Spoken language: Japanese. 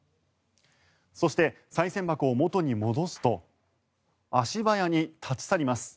そして、さい銭箱を元に戻すと足早に立ち去ります。